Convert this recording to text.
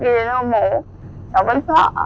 khi đến hôn mổ cháu vẫn sợ